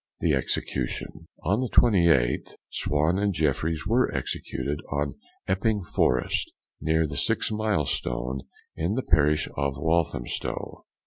THE EXECUTION. On the 28th, Swan and Jeffryes were executed on Epping Forest, near the six milestone in the parish of Walthamstow.